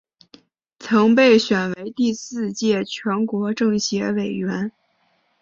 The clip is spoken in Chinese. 曾被选为第四届全国政协委员。